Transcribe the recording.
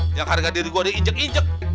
yang harga diri gue diinjek injek